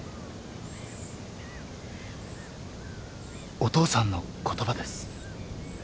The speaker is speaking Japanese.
お父さんの言葉です。